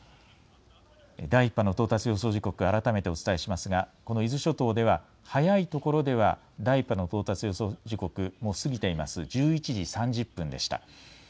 第１波の到達予想時刻、改めてお伝えしますがこの伊豆諸島では早いところでは第１波の到達予想時刻もう過ぎています、１１時３０分でした。